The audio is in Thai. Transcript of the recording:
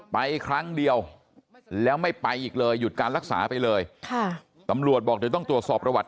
ครั้งเดียวแล้วไม่ไปอีกเลยหยุดการรักษาไปเลยค่ะตำรวจบอกเดี๋ยวต้องตรวจสอบประวัติ